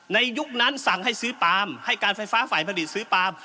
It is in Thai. ยุคนั้นสั่งให้ซื้อปาล์มให้การไฟฟ้าฝ่ายผลิตซื้อปาล์ม